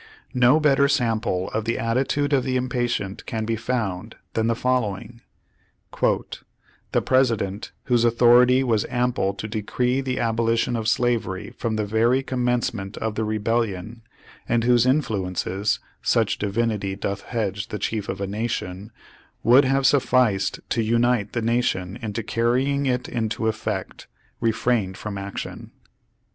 No better sample of the attitude of the impatient can be found than the following : "The President, whose authority was ample to decree the abolition of slavery from the very commencement of the rebellion, and whose influence (such divinity doth hedge ^Twenty Years of Congress. By James G. Blaine. Vol. 1, p. 436. Page One Hundred eleven the chief of a nation) would have sufficed to unite the nation into carrying it into effect, refrained from action."